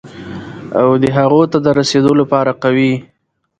او د هغو ته د رسېدو لپاره قوي،